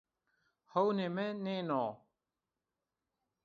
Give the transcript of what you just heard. Hewnê mi nêno